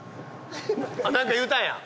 なんか言うたんや！